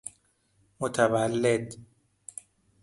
متولد